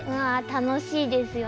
楽しいですよね。